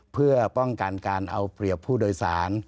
เพื่อป้องกันการเอาเปรียบผู้โดยสาร